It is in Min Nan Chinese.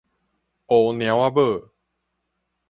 烏貓仔母